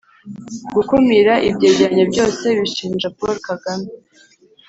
gukumira ibyegeranyo byose bishinja paul kagame